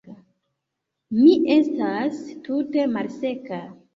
Mi estas tute malseka.